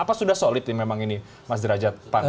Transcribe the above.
apa sudah solid nih memang ini mas derajat